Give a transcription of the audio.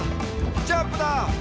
ジャンプだ！」